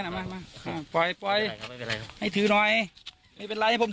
ตากแดดดีกว่าครับโควิดจะได้ตายให้หมด